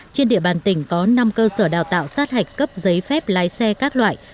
trên địa bàn tỉnh có năm cơ sở đào tạo sát hạch cấp giấy phép lái xe các loại